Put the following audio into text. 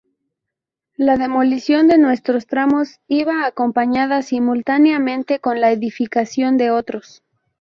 La demolición de unos tramos iba acompañada simultáneamente con la edificación de otros.